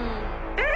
えっ？